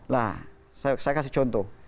nah saya kasih contoh